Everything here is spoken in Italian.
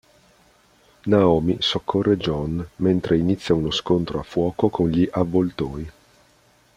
Naomi soccorre John, mentre inizia uno scontro a fuoco con gli Avvoltoi.